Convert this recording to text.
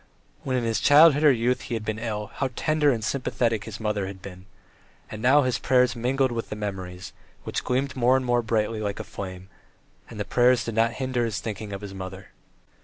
When in his childhood or youth he had been ill, how tender and sympathetic his mother had been! And now his prayers mingled with the memories, which gleamed more and more brightly like a flame, and the prayers did not hinder his thinking of his mother.